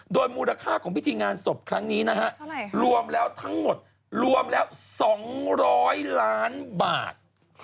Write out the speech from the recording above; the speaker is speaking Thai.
โดยมูลค่าของพิธีงานศพครั้งนี้นะฮะรวมแล้วทั้งหมดรวมแล้ว๒๐๐ล้านบาท